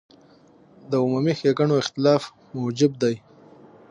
د عمومي ښېګڼو اختلاف موجب شي.